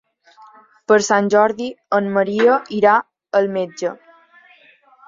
Per Sant Jordi en Maria irà al metge.